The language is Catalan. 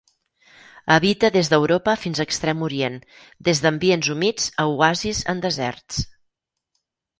Habita des d'Europa fins a Extrem Orient, des d'ambients humits a oasis en deserts.